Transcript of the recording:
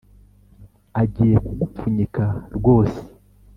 Agiye kugupfunyika rwose